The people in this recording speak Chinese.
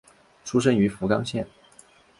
出身于福冈县。